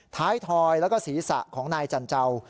ท้ายถอยและสีสะของนายจันเจ้า